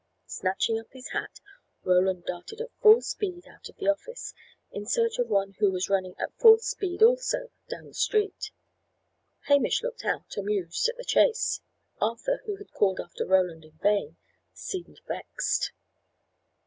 Snatching up his hat, Roland darted at full speed out of the office, in search of one who was running at full speed also down the street. Hamish looked out, amused, at the chase; Arthur, who had called after Roland in vain, seemed vexed.